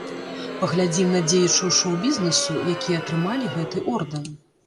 Паглядзім на дзеячаў шоў-бізнесу, якія атрымалі гэты ордэн.